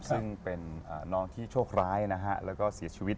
ซึ่งเป็นน้องที่โชคร้ายนะฮะแล้วก็เสียชีวิต